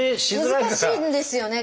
難しいんですよね。